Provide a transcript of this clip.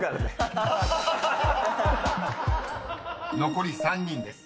［残り３人です。